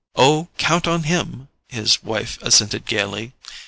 "Oh, count on him," his wife assented gaily.